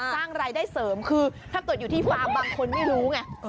สร้างรายได้เสริมคือถ้าเกิดอยู่ที่ฟาร์มบางคนไม่รู้ไง